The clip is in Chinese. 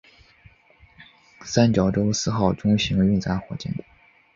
三角洲四号中型运载火箭。